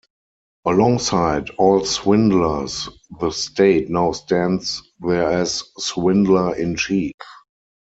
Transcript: Alongside all swindlers the state now stands there as swindler-in-chief.